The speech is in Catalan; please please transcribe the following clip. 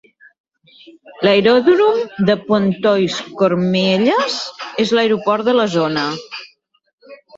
L'aeròdrom de Pontoise - Cormeilles és l'aeroport de la zona.